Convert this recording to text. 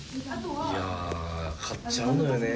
いや買っちゃうのよね